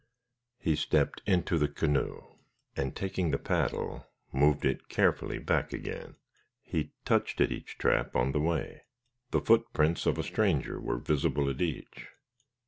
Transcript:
He stepped into the canoe, and taking the paddle moved it carefully back again. He touched at each trap on the way. The footprints of a stranger were visible at each.